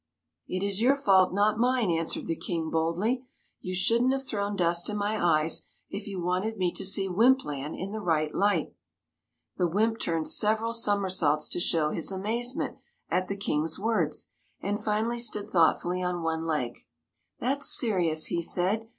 " It is your fault, not mine," answered the King boldly; "you shouldn't have thrown dust in my eyes if you wanted me to see Wympland in the right light !" The wymp turned several somersaults to show his amazement at the King's words, and finally stood thoughtfully on one leg. " That 's serious," he said.